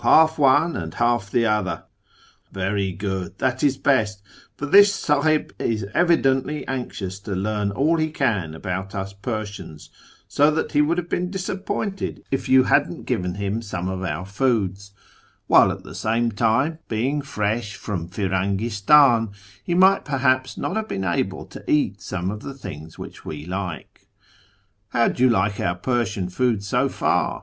0, half one and half the other : very good, that is best ; for this Sahib is evidently anxious to learn all he can about us Persians, so that he would have been disappointed if you liadn't given him some of our foods ; while at the same time, being fresh from Piraugist; hi, he might perhaps not have been able to eat some of the things which we like. How do you like our Persian food so far